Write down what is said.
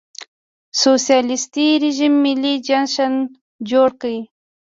سوسیالېستي رژیم ملي جشن جوړ کړ.